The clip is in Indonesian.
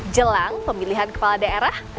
jelang pemilihan kepala daerah